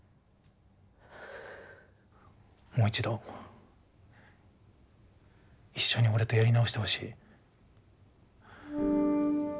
もう一度一緒に俺とやり直してほしい。